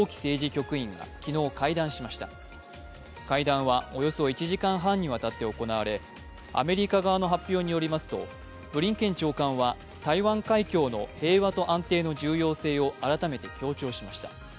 局員が昨日、会談しました会談はおよそ１時間半にわたって行われアメリカ側の発表によりますと、ブリンケン長官は台湾海峡の平和と安定の重要性を改めて強調しました。